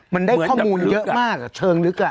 มันได้ข้อมูลเยอะมากเชิงลึก